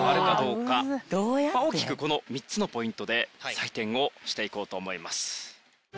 大きくこの３つのポイントで採点をしていこうと思います。